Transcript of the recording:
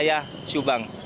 ke wilayah subang